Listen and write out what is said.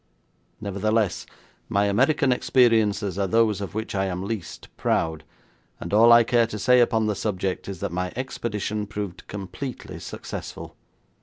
Nevertheless, my American experiences are those of which I am least proud, and all I care to say upon the subject is that my expedition proved completely successful.